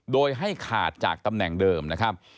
โดยให้ขาดจากตำแหน่งเดิมนะครับ